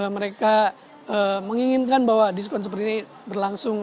mereka menginginkan bahwa diskon seperti ini berlangsung